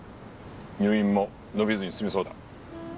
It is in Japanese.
入院も延びずにすみそうだ。